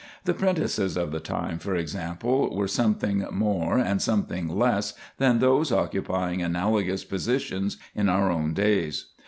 The 'prentices of the time, for example, were something more and something less than those occupying analogous positions in our own days.